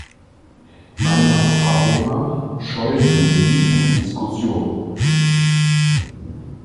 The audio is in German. Meiner Erfahrung nach scheuen wir nie eine Diskussion.